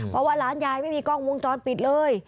เพราะว่าร้านยายไม่มีกล้องวงจรปิดเลย